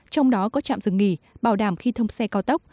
trong đó có trạm dừng nghỉ bảo đảm khi thông xe cao tốc